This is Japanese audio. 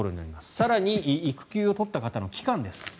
更に育休を取った方の期間です。